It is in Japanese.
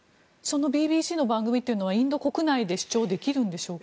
ＢＢＣの番組というのは視聴できるんでしょうか？